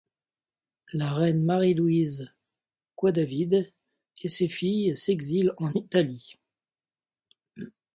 La reine Marie-Louise Coidavid et ses filles s'exilent en Italie.